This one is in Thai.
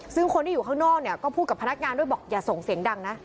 ซึ่งคนที่อยู่ข้างนอกเนี่ยก็พูดกับพนักงานด้วยบอกอย่าส่งเสียงดังนะ